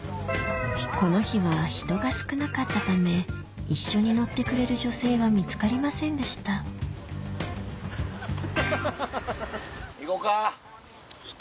この日は人が少なかったため一緒に乗ってくれる女性は見つかりませんでした行こうか。